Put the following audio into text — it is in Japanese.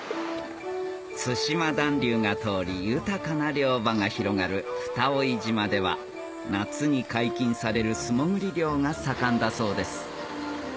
対馬暖流が通り豊かな漁場が広がる蓋井島では夏に解禁される素潜り漁が盛んだそうです